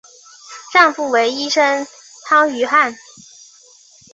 丈夫为医生汤于翰。